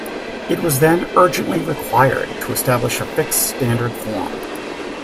It was then urgently required to establish a fixed standard form.